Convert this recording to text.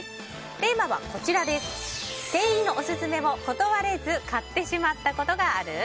テーマは店員のオススメを断れず買ってしまったことがある？